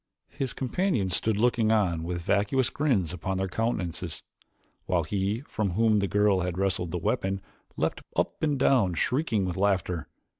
His companions stood looking on with vacuous grins upon their countenances, while he from whom the girl had wrested the weapon leaped up and down shrieking with laughter.